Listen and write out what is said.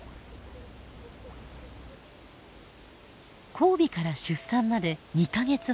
交尾から出産まで２か月ほど。